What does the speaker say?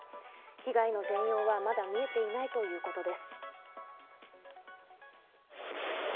被害の全容はまだ見えていないということです。